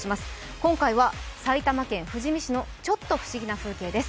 今回は埼玉県富士見市のちょっと不思議な風景です。